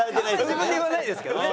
自分で言わないですけどね。